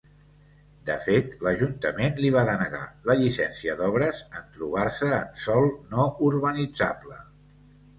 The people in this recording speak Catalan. De fet, l'Ajuntament li va denegar la llicència d'obres en trobar-se en sòl no urbanitzable.